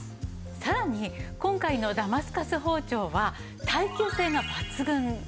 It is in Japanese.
さらに今回のダマスカス包丁は耐久性が抜群なんです。